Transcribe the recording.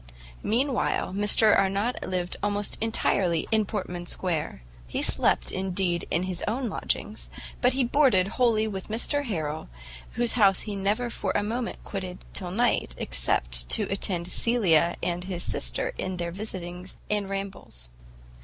Meanwhile Mr Arnott lived almost entirely in Portman Square; he slept, indeed, at his own lodgings, but he boarded wholly with Mr Harrel, whose house he never for a moment quitted till night, except to attend Cecilia and his sister in their visitings and rambles.